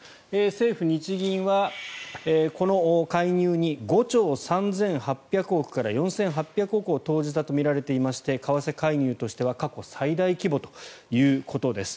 政府・日銀はこの介入に５兆３８００億から５兆４８００億円を投じたとみられていまして為替介入としては過去最大規模ということです。